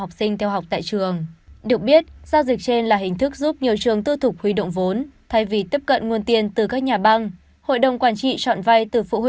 hội đồng quản trị chọn vay từ phụ huynh học sinh